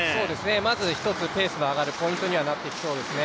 まず１つ、ペースが上がるポイントにはなってきそうですね。